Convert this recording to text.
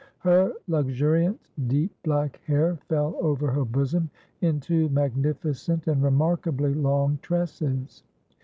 Her luxuriant deep black hair fell over her bosom in two magnificent and remarkably long tresses.